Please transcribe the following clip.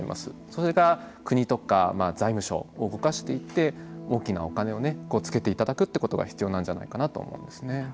それが国とか財務省を動かしていって大きなお金を付けていただくということが必要なんじゃないかなと思うんですね。